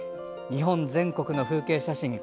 日本全国の風景写真